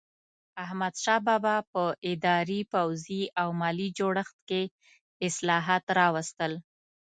احمدشاه بابا په اداري، پوځي او مالي جوړښت کې اصلاحات راوستل.